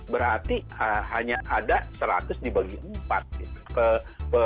berarti hanya ada seratus dibagi empat gitu